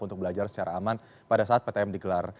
untuk belajar secara aman pada saat ptm digelar